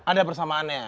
ada persamaan ya